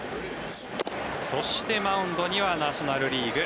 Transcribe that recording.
そして、マウンドにはナショナル・リーグ